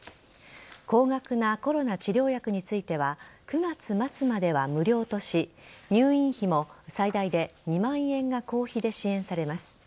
高額なコロナ治療薬については９月末までは無料とし入院費も最大で２万円が公費で支援されます。